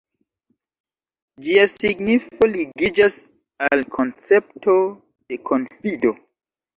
Ĝia signifo ligiĝas al koncepto de konfido.